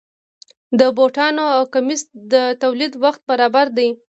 د بوټانو او کمیس د تولید وخت برابر دی.